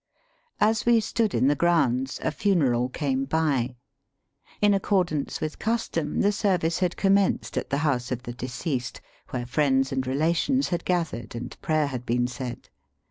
As we stood in the grounds a funeral came by. In accordance with custom, the service had commenced at the house of the deceased, where friends and relations had gathered and prayer had been said.